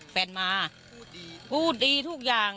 แฟนมาพูดดีทุกอย่าง